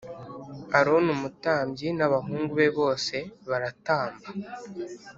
Aroni umutambyi n abahungu be bose baratamba